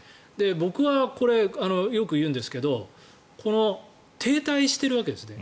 僕はこれ、よく言うんですけど停滞しているわけですね。